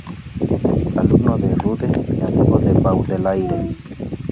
Alumno de Rude y amigo de Baudelaire.